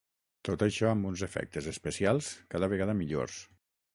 Tot això amb uns efectes especials cada vegada millors.